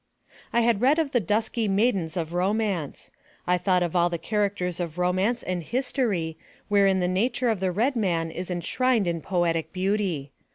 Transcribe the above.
I had read of the dusky maidens of romance ; I thought of all the characters of romance and history, wherein the nature of the red man is enshrined in poetic beauty.